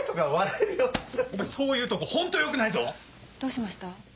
お前そういうとこホントよくないぞ⁉どうしました？